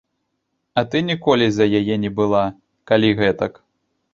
А ты ніколі за яе не была, калі гэтак.